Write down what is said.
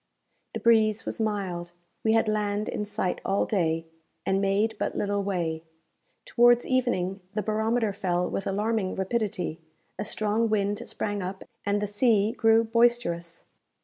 The breeze was mild; we had land in sight all day, and made but little way. Towards evening the barometer fell with alarming rapidity, a strong wind sprang up, and the sea grew boisterous.